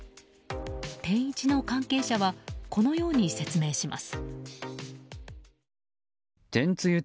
天一の関係者はこのように説明します。